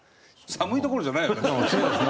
寒いどころじゃないです。